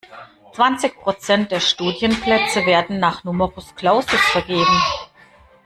Zwanzig Prozent der Studienplätze werden nach Numerus Clausus vergeben.